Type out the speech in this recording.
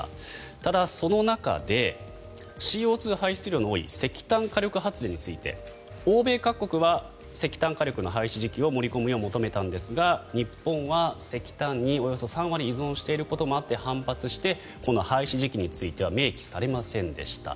ただ、その中でＣＯ２排出量の多い石炭火力発電について欧米各国は石炭火力発電の廃止時期を盛り込むよう求めたんですが日本は石炭におよそ３割依存していることもあって反発してこの廃止時期については明記されませんでした。